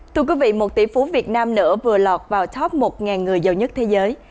thưa quý vị một tỷ phú việt nam nữa vừa lọt vào top một người giàu nhất thế giới